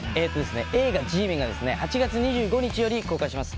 映画「Ｇメン」が８月２５日より公開します。